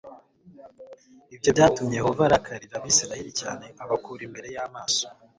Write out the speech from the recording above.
Ibyo byatumyeYehova arakarira o Abisirayeli cyane abakura imbere y amaso